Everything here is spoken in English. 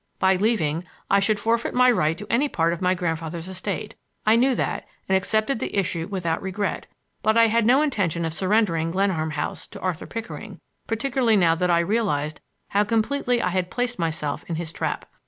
By leaving I should forfeit my right to any part of my grandfather's estate; I knew that and accepted the issue without regret; but I had no intention of surrendering Glenarm House to Arthur Pickering, particularly now that I realized how completely I had placed myself in his trap.